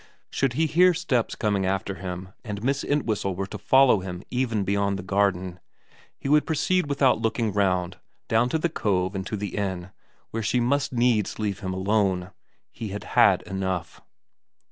Should he hear steps coming after him and Miss Entwhistle were to follow him even beyond the garden, he would proceed without looking round down to the cove and to the inn, where she must needs leave him alone. He had had enough.